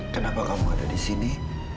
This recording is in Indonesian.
kenapa kamu ada di sini